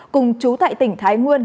cùng chú tại tỉnh thái nguyên